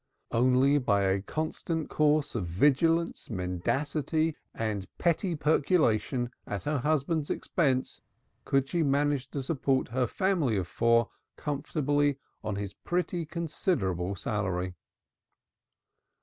Only by a constant course of vigilance, mendacity and petty peculation at her husband's expense could she manage to support the family of four comfortably on his pretty considerable salary.